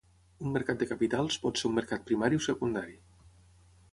Un mercat de capitals pot ser un mercat primari o secundari.